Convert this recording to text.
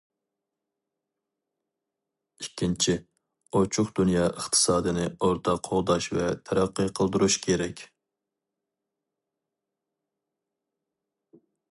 ئىككىنچى، ئوچۇق دۇنيا ئىقتىسادىنى ئورتاق قوغداش ۋە تەرەققىي قىلدۇرۇش كېرەك.